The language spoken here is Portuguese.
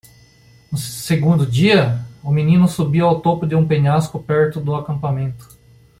No segundo dia?, o menino subiu ao topo de um penhasco perto do acampamento.